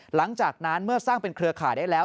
หลังจากนั้นเมื่อสร้างเป็นเครือข่ายได้แล้ว